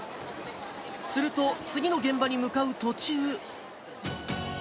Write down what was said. すると次の現場に向かう途中。